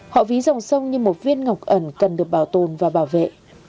họ ví dòng sông như một viên ngọc ẩn cần được bảo tồn và bảo vệ